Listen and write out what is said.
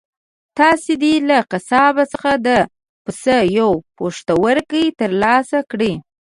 تاسو دې له قصاب څخه د پسه یو پښتورګی ترلاسه کړئ.